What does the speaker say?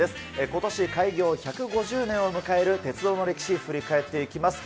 ことし開業１５０年を迎える鉄道の歴史、振り返っていきます。